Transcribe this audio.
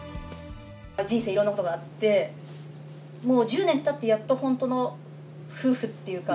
人生いろんなことがあって、もう１０年たって、やっと本当の夫婦っていうか。